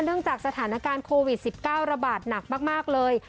เนื่องจากสถานการณ์โควิดสิบเก้าระบาดหนักมากมากเลย